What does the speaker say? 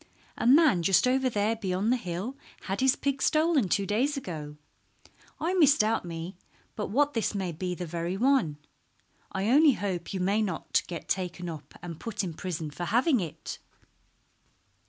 "A man just over there beyond the hill had his pig stolen two days ago. I misdoubt me but what this may be the very one. I only hope you may not get taken up and put in prison for having it."